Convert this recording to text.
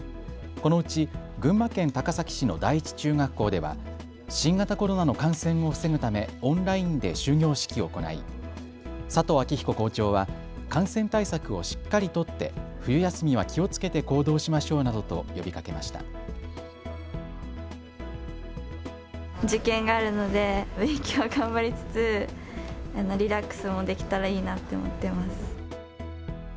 このうち群馬県高崎市の第一中学校では新型コロナの感染を防ぐためオンラインで終業式を行い佐藤明彦校長は感染対策をしっかり取って冬休みは気をつけて行動しましょうなどと呼びかけました。